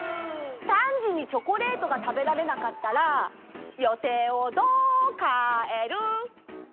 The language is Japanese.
３時にチョコレートが食べられなかったら予定をどう変える？